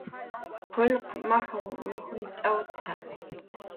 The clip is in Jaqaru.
"Qullq maj nujmt'awt""a"